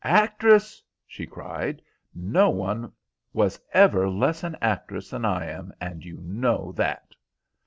"Actress!" she cried. "No one was ever less an actress than I am, and you know that."